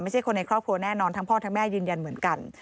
ไม่ใช่คนในครอบครัวแน่นอนทั้งพ่อทั้งแม่ยืนยันเหมือนกัน